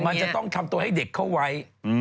มันจะต้องทำตัวให้เด็กเข้าไว้